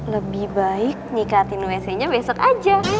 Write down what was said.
lebih baik nikatin wc nya besok aja